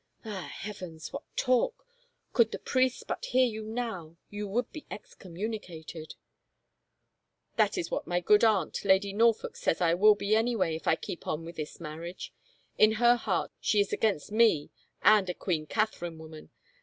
" Ah, heavens, what talk ! Could the priests but hear you now, you would be excommunicated !"" That is what my good aunt, Lady Norfolk, says I will be anyway if I keep on with this marriage. In her heart she is against me and a Queen Catherine woman.